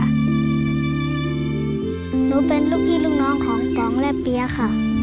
หนูเป็นลูกพี่ลูกน้องของป๋องและเปี๊ยะค่ะ